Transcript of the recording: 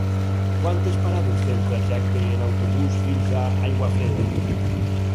Quantes parades té el trajecte en autobús fins a Aiguafreda?